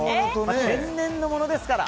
天然のものですから。